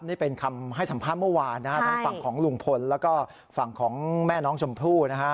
นี่เป็นคำให้สัมภาษณ์เมื่อวานนะฮะทั้งฝั่งของลุงพลแล้วก็ฝั่งของแม่น้องชมพู่นะฮะ